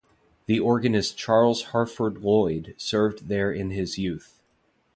The organist Charles Harford Lloyd served there in his youth.